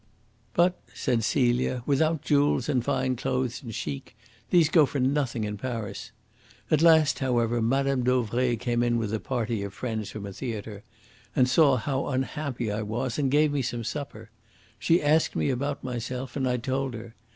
"But," said Celia, "without jewels and fine clothes and CHIC these go for nothing in Paris. At last, however, Mme. Dauvray came in with a party of friends from a theatre, and saw how unhappy I was, and gave me some supper. She asked me about myself, and I told her.